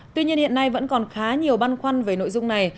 tuy nhiên hiện nay vẫn còn khá nhiều băn khoăn về nội dung này